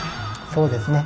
そうですね。